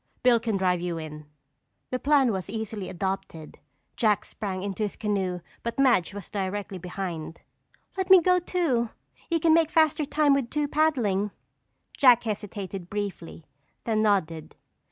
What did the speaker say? Bill can drive you in." The plan was instantly adopted. Jack sprang into his canoe but Madge was directly behind. "Let me go too! You can make faster time with two paddling." Jack hesitated briefly, then nodded.